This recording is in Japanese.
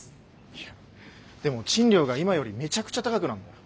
いやでも賃料が今よりめちゃくちゃ高くなるんだよ。